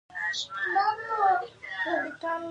آیا دوی د نفوس او اقتصاد شمیرې نه ساتي؟